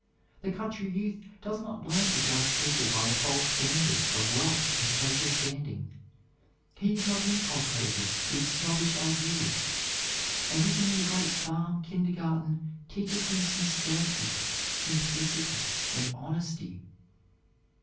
The country youth does not learn to judge people by the false standards of wealth and social standing. He is not inculcated with snobbish ideas. Everything in the great farm kindergarten teaches him sincerity, simplicity and honesty.